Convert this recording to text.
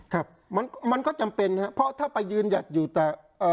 ใช่มันก็จำเป็นเพราะถ้าไปยืนอย่างอยู่แต่